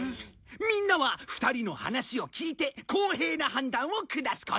みんなは２人の話を聞いて公平な判断を下すこと。